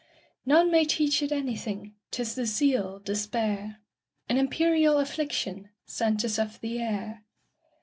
None may teach it anything,'T is the seal, despair,—An imperial afflictionSent us of the air.